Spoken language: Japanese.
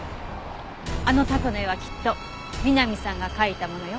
あのタコの絵はきっと美波さんが描いたものよ。